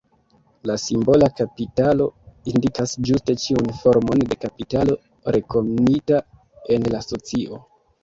La simbola kapitalo indikas ĝuste ĉiun formon de kapitalo rekonita en la socio.